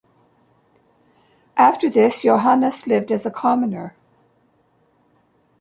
After this, Yohannes lived as a commoner.